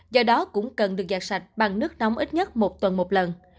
do đó cũng cần được giạt sạch bằng nước nóng ít nhất một tuần một lần